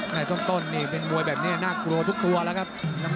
ในต้นนี่เป็นมวยแบบนี้น่ากลัวทุกตัวแล้วครับ